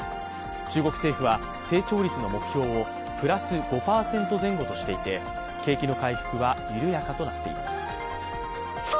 中国政府は成長率の目標をプラス５％前後としていて景気の回復は緩やかとなっています。